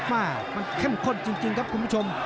มามันเข้มข้นจริงครับคุณผู้ชม